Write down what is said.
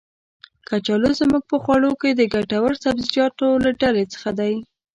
کچالو زمونږ په خواړو کې د ګټور سبزيجاتو له ډلې څخه دی.